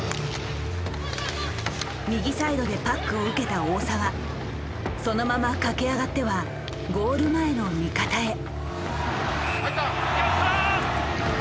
右サイドでパックを受けた大澤そのまま駆け上がってはゴール前の味方へ。